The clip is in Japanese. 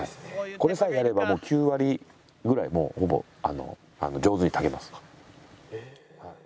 これさえやれば９割ぐらいもうほぼ上手に炊けます。